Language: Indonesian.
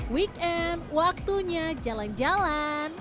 weekend waktunya jalan jalan